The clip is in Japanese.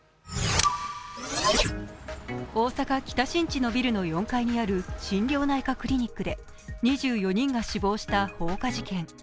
大阪・北新地のビルの４階にある心療内科クリニックで２４人が死亡した放火事件。